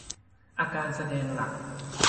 อาการแสดงหลัก